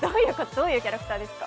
どういうキャラクターですか？